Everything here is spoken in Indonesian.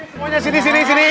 semuanya sini sini sini